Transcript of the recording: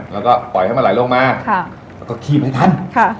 แล้วก็ปล่อยให้มันไหลลงมาแล้วก็คีบให้ทัน